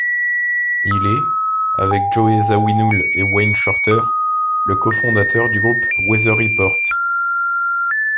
Il est, avec Joe Zawinul et Wayne Shorter, le cofondateur du groupe Weather Report.